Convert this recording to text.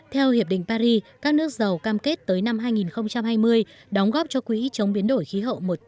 theo hiệp định paris các nước giàu cam kết tới năm hai nghìn hai mươi đóng góp cho quỹ chống biến đổi khí hậu